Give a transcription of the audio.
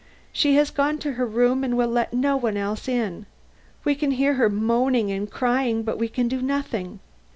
She has gone to her room and will let no one else in. We can hear her moaning and crying, but we can do nothing.